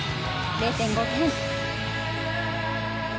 ０．５点。